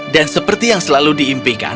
dan seperti yang selalu diimpikan